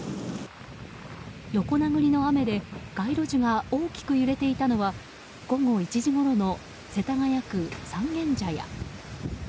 横殴りの雨で街路樹が大きく揺れていたのは午後１時ごろの世田谷区三軒茶屋。